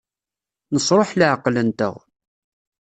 Nesṛuḥ leɛqel-nteɣ.